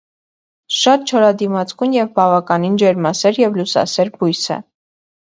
Շատ չորադիմացկուն և բավականին ջերմասեր ու լուսասեր բույս է։